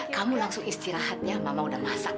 kamu langsung istirahatnya mama udah masak